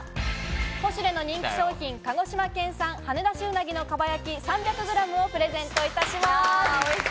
ポシュレの人気商品「鹿児島県産はねだし鰻の蒲焼３００ｇ」をプレゼントいたします。